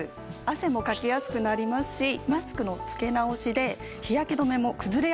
汗もかきやすくなりますしマスクのつけ直しで日焼け止めも崩れやすいんです。